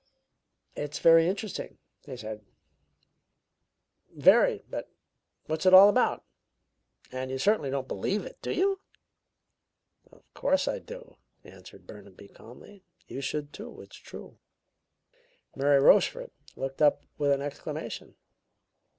"It's very interesting," he said; "very! But what's it all about? And you certainly don't believe it, do you?" "Of course I do," answered Burnaby calmly. "You should, too; it's true." Mary Rochefort looked up with an exclamation.